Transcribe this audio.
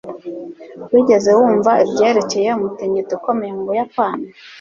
Wigeze wumva ibyerekeye umutingito ukomeye mu Buyapani?